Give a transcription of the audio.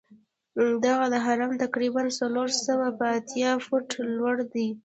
دغه هرم تقریبآ څلور سوه یو اتیا فوټه لوړ دی.